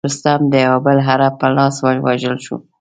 رستم د یوه بل عرب په لاس ووژل شو.